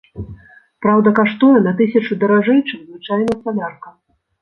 Праўда, каштуе на тысячу даражэй, чым звычайная салярка.